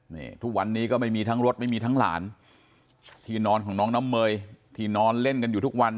นี่ทุกวันนี้ก็ไม่มีทั้งรถไม่มีทั้งหลานที่นอนของน้องน้ำเมยที่นอนเล่นกันอยู่ทุกวัน